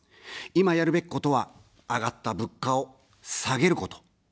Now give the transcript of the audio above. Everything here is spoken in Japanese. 今やるべきことは、上がった物価を下げること。